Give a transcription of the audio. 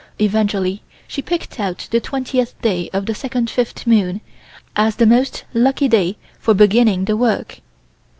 Eventually she picked out the twentieth day of the second fifth moon as the most lucky day for beginning the work.